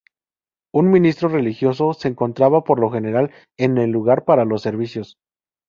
Un ministro religioso se encontraba por lo general en el lugar para los servicios.